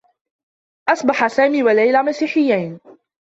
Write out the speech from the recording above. أصبحا سامي و ليلى مسيحيّين.